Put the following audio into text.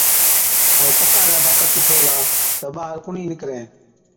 ائُون پڪا اِرادا ڪتِي ڇوڙلا تہ ٻاهر ڪونهِي نِڪرَين۔